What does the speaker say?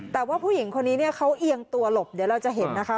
แต่ว่าผู้หญิงคนนี้เนี่ยเขาเอียงตัวหลบเดี๋ยวเราจะเห็นนะคะ